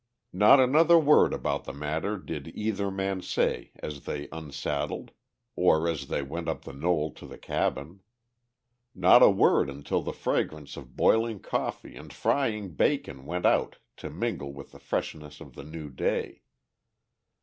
Not another word about the matter did either man say as they unsaddled or as they went up the knoll to the cabin. Not a word until the fragrance of boiling coffee and frying bacon went out to mingle with the freshness of the new day.